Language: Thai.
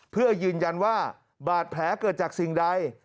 เพื่อยืนยันว่าบาดแผลเกิดจากสิ่งใด